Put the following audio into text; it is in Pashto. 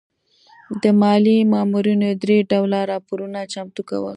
د مالیې مامورینو درې ډوله راپورونه چمتو کول.